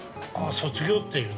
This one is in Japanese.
◆卒業って言うの？